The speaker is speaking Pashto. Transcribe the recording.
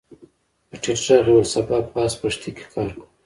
په ټيټ غږ يې وويل سبا پاس پښتې کې کار کوو.